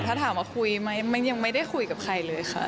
ถ้าถามว่าคุยไหมยังไม่ได้คุยกับใครเลยค่ะ